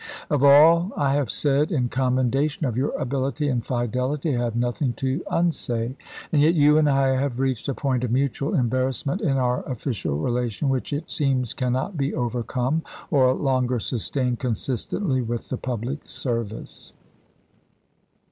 Of all I have said in commendation of your ability and fidelity I have nothing to unsay, and yet you and I have reached a point of mutual embarrassment in our official relation which it seems can not be overcome or longer sustained consistently with the public service."